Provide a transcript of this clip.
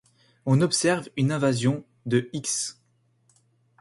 On observe une invasion de x'.